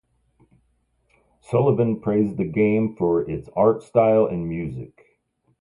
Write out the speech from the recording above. Sullivan praised the game for its art style and music.